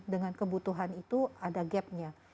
dengan kebutuhan itu ada gap nya